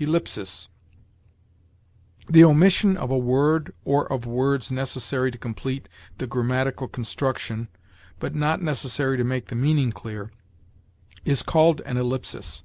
ELLIPSIS. The omission of a word or of words necessary to complete the grammatical construction, but not necessary to make the meaning clear, is called an ellipsis.